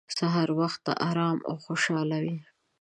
سهار وخت ارام او خوشحاله وي.